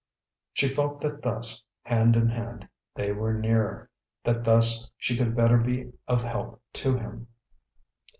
She felt that thus, hand in hand, they were nearer; that thus she could better be of help to him.